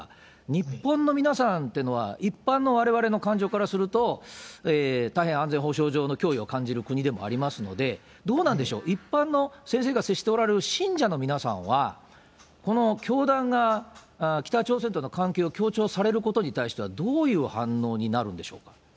日本の皆さんっていうのは、一般のわれわれの感情からすると、大変安全保障上の脅威を感じる国でもありますので、どうなんでしょう、一般の先生が接しておられる信者の皆さんは、この教団が北朝鮮との関係を強調されることに対しては、どういう反応になるんでしょ